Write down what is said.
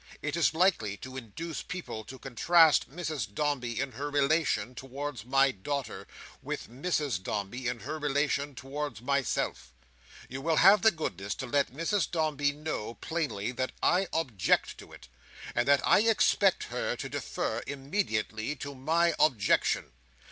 It is likely to induce people to contrast Mrs Dombey in her relation towards my daughter, with Mrs Dombey in her relation towards myself. You will have the goodness to let Mrs Dombey know, plainly, that I object to it; and that I expect her to defer, immediately, to my objection.